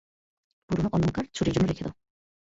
পুরোনো অলংকার ছোটির জন্য রেখে দাও।